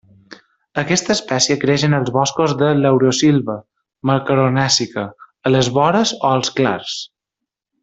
Aquesta espècie creix en els boscos de laurisilva macaronèsica a les vores o als clars.